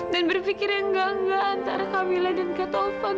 dan berpikir yang enggak enggak antara camilla dan kak taufan